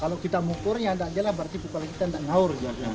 kalau kita mengukurnya nggak jelas berarti pukul kita nggak ngaur